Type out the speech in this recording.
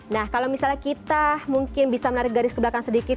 nah kalau misalnya kita mungkin bisa menarik garis ke belakang sedikit